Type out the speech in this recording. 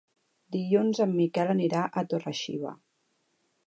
Dilluns en Miquel anirà a Torre-xiva.